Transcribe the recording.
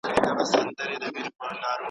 آیا تاسو خپلي پایلي ارزیابي کړي دي؟